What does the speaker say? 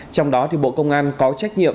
trong đó thì bộ công an có trách nhiệm